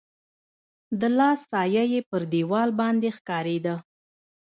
د لاس سایه يې پر دیوال باندي ښکارېده.